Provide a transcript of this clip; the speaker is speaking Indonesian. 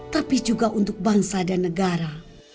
tapi juga untuk bangsa dan negara